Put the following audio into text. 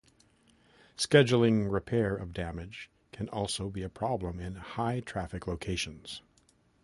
Scheduling repair of damage can also be a problem in high traffic locations.